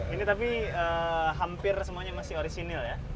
ini tapi hampir semuanya masih orisinil ya